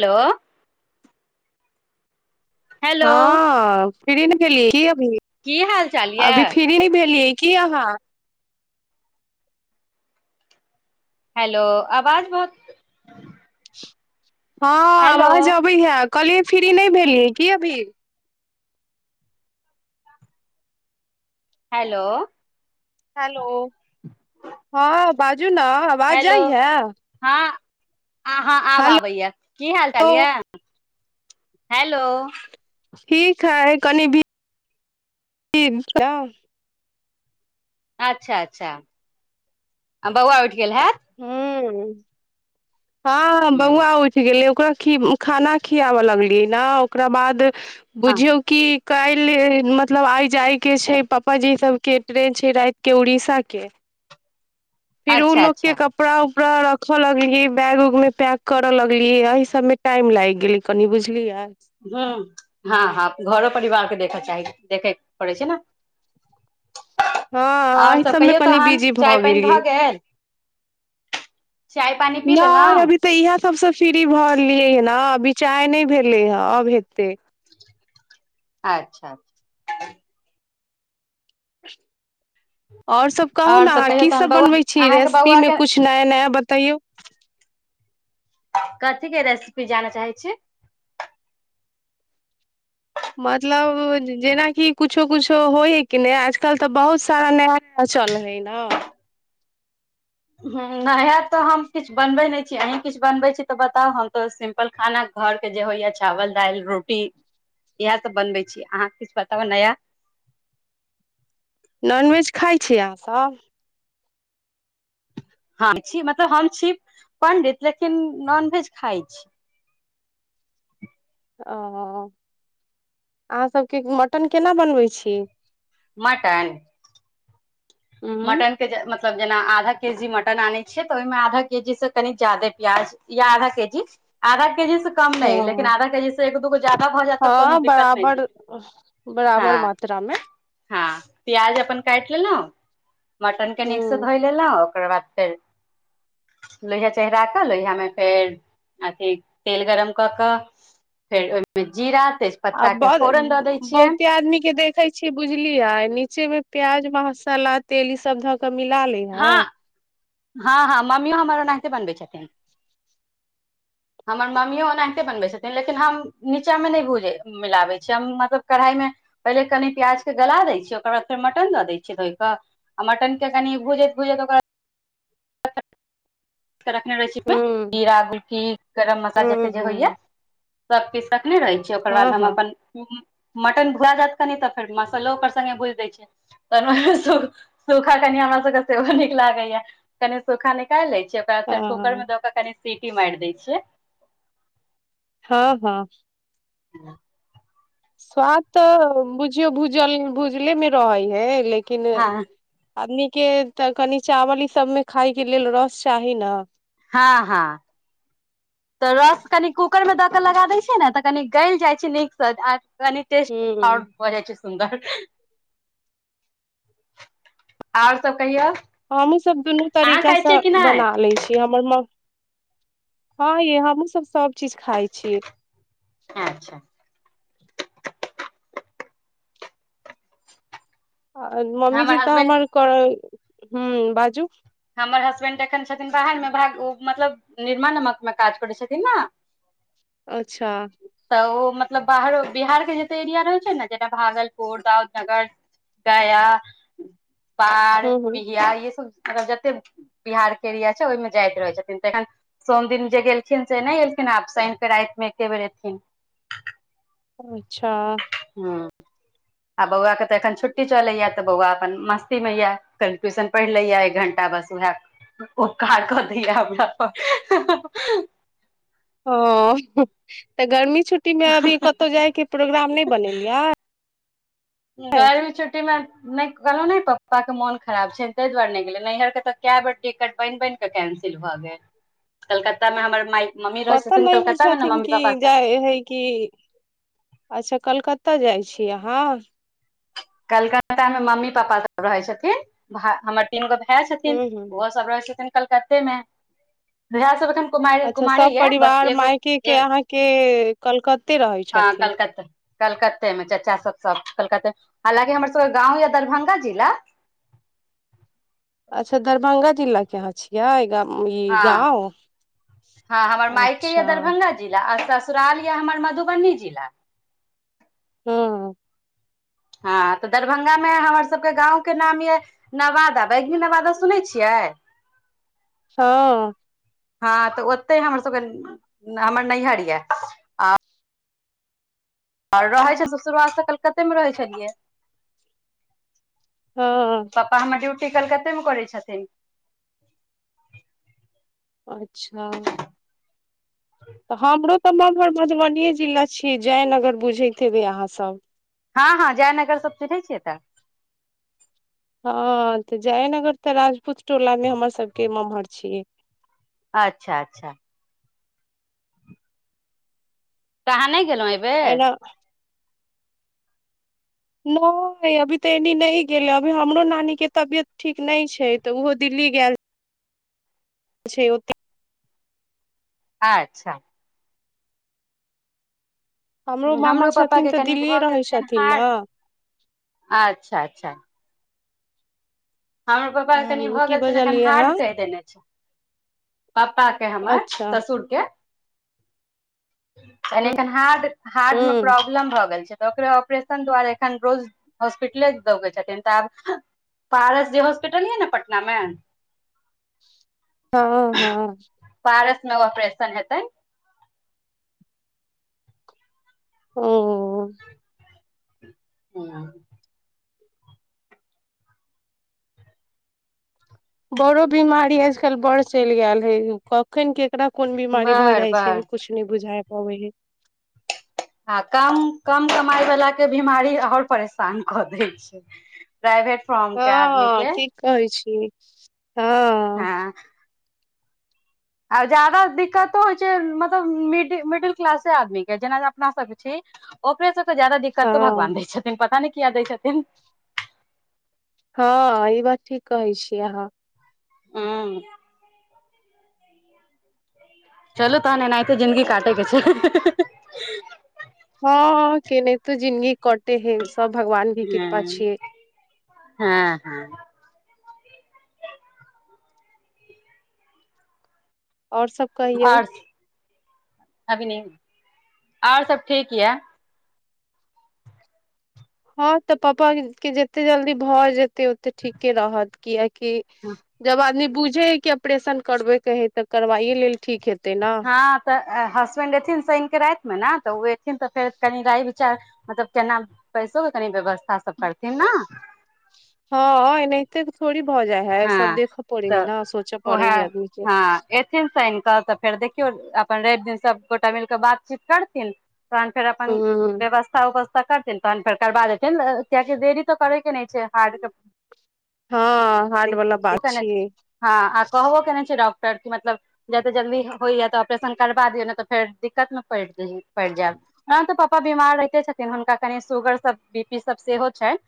Hello hello हँ फिरी नहि भेलियै की अभी की हाल चाल अभी यऽ फ्रि न भेलियै। की अहाँ हेलो आवाज बहुत हँ हेलो आवज अबै हे कहलियै फ्री नहि भेलियै की अभी? हेलो हेलो हँ बाजू ने आवाज जाइहे? अ हाँ आब आबैया की हालचाल हेलो यऽ हेलो ठीक है कनि भी अच्छा अच्छा बउआ उठ गेल है। ह हँ बउआ उठ गैलै। ओकरा खाना खियाबऽ लगलियै ने ओकरा बाद ह बुझियौ कि काल्हि मतलब आइ जायके छैय पापाजी सभके ट्रेन छै रातिके उड़ीसाके फिर ओ अच्छा लोग के अच्छा कपड़ा कपड़ा रखे लगलियै बैग उग में पैक करे लगलियै इ सब में टाइम लागि गेले कनी बुझलियए। ह हँ हँ घरो परिवारके देख चाह देखै पड़ै छैय ने। हँ आओर एहि सभ सबमे कहियौ कनि तहन बिजी चाय पानि भऽ गेल? चाय पानि पी न लेलहुँ अभी तऽ इह सबस फ्री भऽ रहललियै हे ने बिचार नहि भेले हे अब हेतै। अच्छा अच्छा ओर सब कहू आओर ने अहाँ कहियौ की तहन सब बौआ बनबै छी अहाँके रेसिपी बौआ मे के कछ नया नया बता तैयौ कथीके रेसिपी जानय चाहै छी? मतलब जेनाकि कुछो कुछो होइ हइ कि नहि आजकल तऽ बहुत सारा नया नया चलय हय न ह ह नया तऽ हम किछु बनबे नहि छी अहीं किछु बनबे छी तऽ बताउ हम तो सिम्पल खाना घर जे होइय चावल दाल रोटी इएह सभ बनबै छी अहाँ किछु बताब नया नॉनवेज खाइ छीय अहाँसभ? हँ छी मतलब हम छी पण्डित लेकिन नॉनवेज खाइ छी। ह ओ अहाँ सबके मटन केना बनबै छी? मटन उंम्म मटन के जे म मतलब जेना आधा के जी मटन आनै छियै तऽ ओहिमे आधा के जी से कनी ज्यादे प्याज या आधा के जी आधा के जी से कम नहि लेकिन हँ आधा के जी से एक दूगो जादा भऽ जाय तऽ कोनो हँ दिक्कत नहि छैय बराबर बराबर हँ मात्रा मे हँ पिआज अपन काइट लेलै। मटन के नीकसँ हूँ धोइ लेलहुँ ओकर बाद फेर लोहिया चढ़राा कऽ लोहियामे फेर अथि तेल गरम कऽ कऽ फेर ओय मे जीरा आ तेजपत्ता के ब फोरन दऽ दै छियै बहुते आदमी के देखे छियै बुझलियै नीचे मे प्याज मसाला तेल ई सब धऽ क मिला ले हँ हय हँ हँ मम्मियो हमर ओनाहिते बनबै छथिन। हमर मम्मियो ओनाहिते बनबैत छथिन लेकिन हम नीचा मे नहि भूज मिलाबैत छीयै हम मतलब कढ़ाइमे पहिल कनि प्याज के गला दै छियै ओकर बाद फेर मटन दऽ दै छियै धो क आ मटन के कनि भुजैत भुजैत ओकरा रखने रहै छी हूँ जीरा गुलकी गरम मसाला हूँ जते जे होइया हूँ सभकिछु सखने रहै छियै ओकर हँ बाद हम हँ अपन मटन भुआ जात कनि तऽ फेर मसालो ओकर से भुज दै छै त सूखा कनि रा सबके सेहो नीक लागै यै कनि सुखा निकालि लै छीयय। कुकर हँ में दऽ कऽ कनि सीटी मारि दै छियै। हँ हँ ह स्वाद तऽ बुझियौ भूजल भूजले मे रहै है लेकिन हँ किन आदमी के तऽ कनि चावल ई सबमे खााय के लेल रस चाही ने हँ हँ तऽ रस कनि कूकरमे दऽ कऽ लगा दैत छियै ने तऽ कनी गलि जाइत छैय नीकसँ आ टेस्ट आ हूँ बर छैय। सुन्दर आओर सब कहियौ। हमहु सब दुनू अहाँ खाइ तरीकासँ छियै कि नहि बना लै छीय हमर म हँ य हमहुँ सब सब चीज खाइ छी। अच्छा आर मम्मीजी तऽ हमर ह बाजू हमर हसबेंड एखन छथिन बाहर मे भाग ओ मतलब निर्माण नमक मे काज करै छथिन ने अच्छा तऽ ओ मतलब बाहरो बिहारके जतय एरिया रहै छैय ने जेना भागलपुर दाउदनगर गया बार हँ हँ बिया य सब मतलब जते बिहार के एरिया छैय ओहिमें जाइत रहे छथिन त एखन सोम दिन जे गेलखिन से नहि एलखिन। आब सान कऽ रातिमे एके बेर एथिन। अच्छा ह आ बौआ के तऽ एखन छुट्टी चलेया तऽ बौआ अपन मस्ती में य कनि ट्यूशन पढ़ि ले या एक घंटा। बस उएह ओ कार कऽ दैय हमरा प। ह तऽ गर्मी छुट्टी मे अभी कतहु जायके प्रोग्राम नहि? बनेलियै गर्मी छुट्टीमे नहि कहलौं नै पप्पाके मोन खराब छैनि ताहि दुआरे नहि गेलियै नैहरके तऽ कै बेर टिकट बनि बनि कऽ कैंसिल भऽ गेल कलकत्ता मे हमर माइ कतऽ नहि होइ छथिन कि जाइ है कि अच्छा कलक कतय जाइ छी अहँ? कलक्त मे मम्मी पापा सब रहै छथिन भ हमर तीन गो भाय छथिन हूँ हूँ ओहो सब रहै छथिन कलकत्ते मे भ सब एखन कुमार अच्छा कुमारे सब ह है बस परिवार एगो मायके के अहाँके कलकत्ते रहै हँ छथिन कलकत्त कलकत्तेमे चचा ल ह हमर सब के गाँव या दरभंगा जिला। अच्छा दरभंगा जिला के यहाँ छियै? ई हँ गाँव हँ हमर मायके यऽ अच्छा दरभंगा जिला आ स ससुराल यऽ हमर मधुबनी जिला। हँ हँ तऽ दरभ्ंगामे हमरसभके गाँवके नाम यए नवादा भैगिन नवादा सुनैत छियै? [inaudible] हँ हँ तऽ ओत्तै हमर सभके हमर नैहर ये आ आओर रहै छल सुरूआत सँ कलकत्तेमे रहै छलियै ये हँ [unintelligible] पप्पा हमर ड्यूटि कलकत्तेमे करै छथिन अच्छा तऽ हमरो तऽ ममहर मधुबनिए जिला छियै जयनगर बुझैत हेबै अहाँसभ हँ हँ जयनगर सब सूनै छियै तऽ ह तऽ जयनगर तऽ राजपूत टोला मे हमर सब के ममहर छियै अच्छा अच्छा तऽ अहाँ नहि गेलहुँं एहिबेर एना नहि अभी तऽ एनी नहि गेलै अभी हमरो नानीके तबियत ठीक नहि छै तऽ ओहो दिल्ली ली गेल छै ओत्त अच्छा मामा हमरो पप्पा छथिन के तऽ कनि दिल्लीए भऽ रहै गेल छनि छथिन हार्ड ने अच्छा अच्छा अच्छा हमर पप्पा के कनि ह भऽ की गेल छैन कनी बजलियै अहाँ हार्ड कहि देने छै पप्पा के हमर अच्छा ससुर के एखन हार्ड ह हार्ड मे प्रॉब्लम भऽ गेल छै ओकरा ऑपरेशन द्वारे एखन रोज हॉस्पिटले दौगै छथिन तऽ आब पारस हॉस्पिटल ये ने पटनामे हँ हँ ऑपरेशन हेतै ओ हूँ बड़ो बिमारी आजकल बड़ चलि गेल है कखन के ककरा कोन बीमारी भऽ बर जाइ छै बर कुछ नहि बुझा पाबै है आ कम कम कमाइ वला के बीमारी आओर परेशान कऽ दै छै प्राइवेट फॉर्म हँ के आदमी हँ के ठीक कहै छी हँ आब जादा दिक्कतो होइ छै मतलब मिड मिडिल क्लासे आदमी के जेना जे अपना सब छी ओकरे सबके ज्यादा दिक्कतो हँ भगवान दै छथिन पता नइ किया दै छथिन हँ ई बात ठीक कहै छियै अहाँ हू चलू तहन एनाहिते जिन्दगी काटेय के छै हँ केनाहितो जिनगी कटै है सब भगवान के कृपा हँ छियै हँ हँ आओर सभ कहियौ आओर अभी नै आओर सब ठीक ये हँ तऽ पप्पा के जेत्ते जल्दी भऽ जेतै ओते ठीके रहत किए कि जब आदमी बुझै है कि ऑपरेशन करबे के है तऽ करवाए लेल ठीक हेतै ने हँ तऽ हसबेंड एथिन शैन के राति मे ने तऽ ओ एथिन तऽ फेर कनी राय विचार मतलब केना सेहो कनी व्यवस्था सब करथिन न हँ एनाहिते थोड़ी भऽ जाइ है सब हँ देखऽ पड़ै है तऽ न सोचऽ पड़ै उएह है आदमी के हँ एथिन शनि कऽ तऽ फेर देखियौ अप अपन रवि दिन सबगोटा मिलके बातचीत करथिन तहन फेर अपन हूं व्यवस्था उपस्था तऽ करथिन तहन फेर करबा देथिन कियाकि देरी तऽ करयके नहि छै हार्डके हँ हार्ड वाला बात ने छियै हँ आ कहबो केने छै डॉक्ट [inaudible] टर कि मतलब जते जल्दी होइया तऽ ऑपरेशन करबा दियौ ने तऽ फेर दिक्कत मे पड़ि पैड़ जाब [unintelligible] पापो बीमार रहिते छथिन हुनका कनि शुगर सब बी पी सब सेहो छैन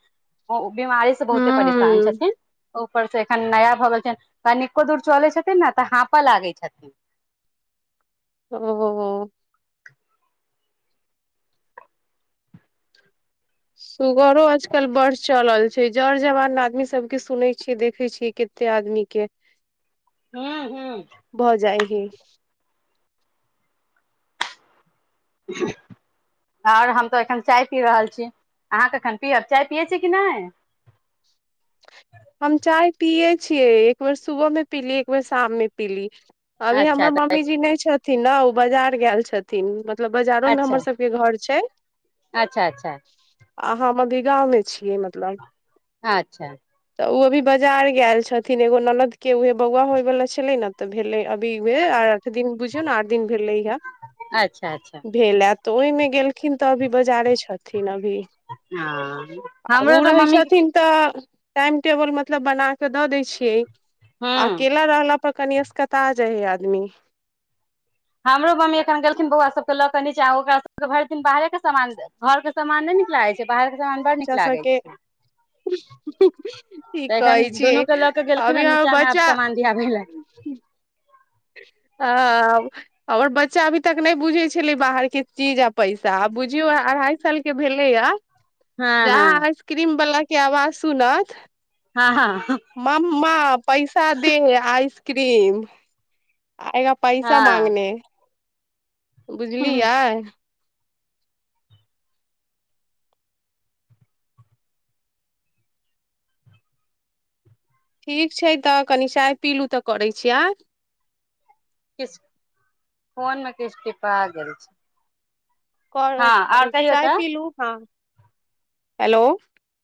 बीमारी स बहुते परेशान हूं छथिन ऊपर से एखन नया भऽ गेल छैन कनिको दूर चलै छथिन न तऽ हापैय लागै छथिन [inaudible] ओ सुगरो आजकल बड चलल छै जड़ जवान आदमी सबके सुनै छियै देखे छियै कते आदमी के हू हू [unintelligible] [inaudible] आओर हम तऽ एखन चाय पी रहल छी अहाँके कखन पियब चाय पियै छी कि नइ [inaudible] हम चाय पिये छियै एक बेर सुबह क पीली एक बेर शाम मे पीली अभी अच्छा हमर तऽ मम्मी जी नै छथिन न ओ बाजार गेल छथिन मतलब बाजारो मे अच्छा हमर सबके घर छै अच्छा अच्छा अहाँ मम्मी गाँवमे छियै मतलब आच्छा तऽ ओ अभी बजार गैल छथिन एगो ननद के उहे बौआ होइवला छलै न तऽ भेलै अभी उहे दिन बुझियौ न आठ दिन भेलैहा अच्छा अच्छा भेल हैत तऽ ओहिमे गेलखिन तऽ अभी बजारे छथिन अभ भी हँ आ हमरो ऊ तऽ रहै मम्मी छथिन तऽ टाइम टेबल मतलब बना क दऽ दै छियै आ हूँ अकेला रहला पर कनि असकतआ जाइ हइ आदमी हमरो मम्मी एखन गेलखिन बौआ सबके लऽ के नीचा ओकरा सबके भ इर दिन बाहरे के सामान घर के सामान नइ नीक लागै छै बाहर के सामान बड़ नीक बच्चा लागै सबके छै ठीक तऽ एखन कहै छियै दुनूके लऽ केऽ गेलखिन अभी हे हमर नीचामे आब बच्चा सामान दियाबै लए [inaudible] आब और बच्चा अभी तक नहि बुझै छलै बाहर के चीज आ पैसा आ बुझियो अढ़ाई साल के भेलै य हँ हँ जहाँ आइसक्रीम बाला के आवाज सुनत हँ हँ मम्मा पैसा दे आइसक्रीम आएगा पैसा हँ माँंगने बुझलियै किछु ठीक छै तऽ कनी चाय पीलूँ तऽ करै छी आइ किछ फोनमे किछ टिपा गेल छै हँ आओर कहियौ चाय तऽ पीलू हँ हेलो